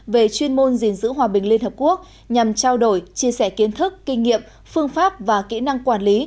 về chuyên môn diện giữ hòa bình liên hợp quốc nhằm trao đổi chia sẻ kiến thức kinh nghiệm phương pháp và kỹ năng quản lý